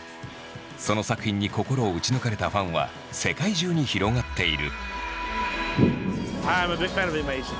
その作品に心を撃ち抜かれたファンは世界中に広がっている。